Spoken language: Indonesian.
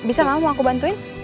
bisa gak mau aku bantuin